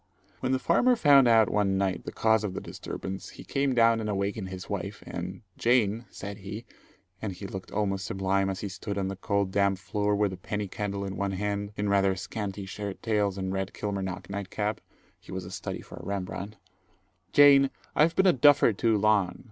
When the farmer found out one night the cause of the disturbance, he came down and awakened his wife and "Jane," said he, and he looked almost sublime as he stood on the cold damp floor with a penny candle in one hand, in rather scanty shirt tails and red Kilmarnock night cap he was a study for a Rembrandt, "Jane, I've been a duffer too long.